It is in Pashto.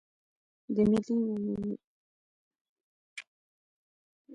لوحې ویل کله جادو کار کوي او کله نه کوي